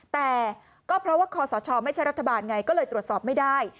แต่ก็เพราะว่าคอสชไม่ใช่รัฐบาลไงก็เลยตรวจสอบไม่ได้